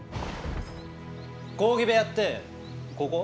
講義部屋ってここ？